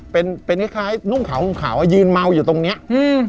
เป็นเป็นคล้ายคล้ายนุ่งขาวห่มขาวอ่ะยืนเมาอยู่ตรงเนี้ยอืม